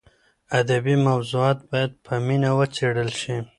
ادبي موضوعات باید په مینه وڅېړل شي.